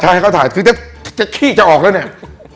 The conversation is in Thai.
ใช่ให้เขาถ่ายคือจะขี้จะออกแล้วเนี่ย